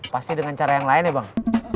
pasti dengan cara yang lain ya bang